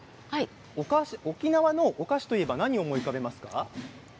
沖縄のお菓子といえば何を思い浮かべますか？